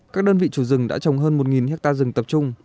các đơn vị chủ rừng đã trồng hơn một hectare rừng tập trung